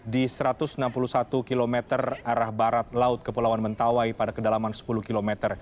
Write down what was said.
di satu ratus enam puluh satu km arah barat laut kepulauan mentawai pada kedalaman sepuluh km